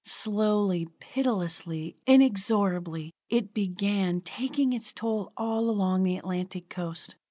Slowly, pitilessly, inexorably, it began, taking its toll all along the Atlantic coast.